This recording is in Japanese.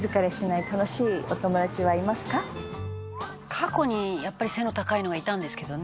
過去にやっぱり背の高いのがいたんですけどね。